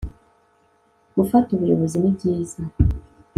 gufata ubuyobozi ni byiza